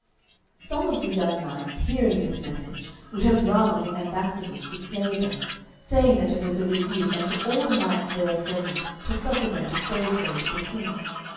Some of the young knights hearing this message would have run on the ambassadors to slay them, saying that it was a rebuke unto all the knights there present to suffer them to say so to the King.